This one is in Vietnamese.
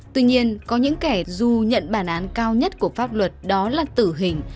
tuy nhiên có những kẻ dù nhận bản án cao nhất của pháp luật đó là tử hình